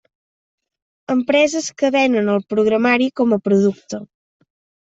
Empreses que venen el programari com a producte.